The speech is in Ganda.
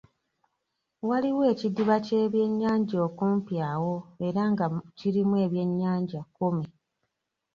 Waliwo ekidiba ky’eby'ennyanja okumpi awo era nga kirimu eby’ennyanja kkumi.